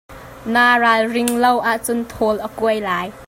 Naa ralring lo ahcun thawl a kuai lai .